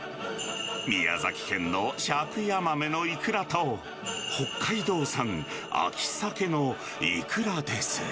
宮崎県のシャクヤマメのイクラと、北海道産、秋サケのイクラです。